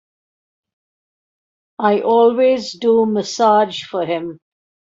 I always do massage for him.